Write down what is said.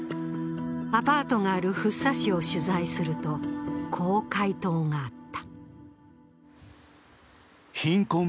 アパートがある福生市を取材するとこう回答があった。